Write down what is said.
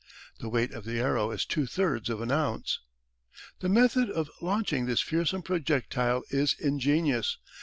The weight of the arrow is two thirds of an ounce. The method of launching this fearsome projectile is ingenious.